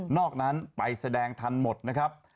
อกนั้นไปแสดงทันหมดนะครับ